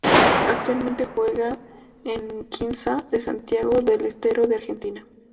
Actualmente juega en Quimsa de Santiago del Estero de Argentina.